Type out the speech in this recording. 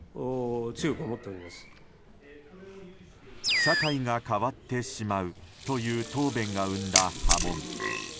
社会が変わってしまうという答弁が生んだ波紋。